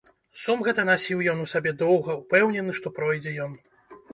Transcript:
Сум гэты насіў ён у сабе доўга, упэўнены, што пройдзе ён.